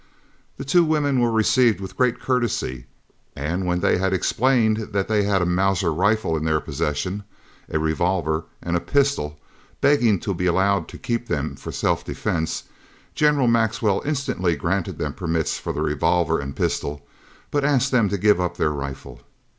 The two women were received with great courtesy, and when they had explained that they had a Mauser rifle in their possession, a revolver, and a pistol, begging to be allowed to keep them for self defence, General Maxwell instantly granted them permits for the revolver and pistol, but asked them to give up their rifle.